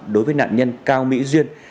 đối với nạn nhân cao mỹ duyên